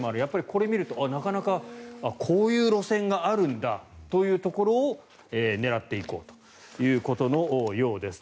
これを見ると、こういう路線があるんだというところを狙っていこうということのようです。